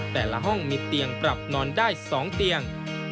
แต่ละห้องมีเตียงปรับนอนได้๒เตียง